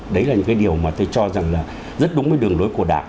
đấy là những cái điều mà tôi cho rằng là rất đúng với đường lối của đảng